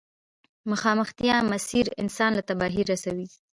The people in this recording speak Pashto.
مخامختيا مسير انسان له تباهي رسوي.